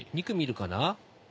２組いるかな？